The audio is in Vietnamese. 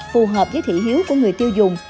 phù hợp với thị hiếu của người tiêu dùng